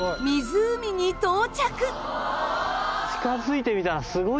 近付いて見たらすごいな。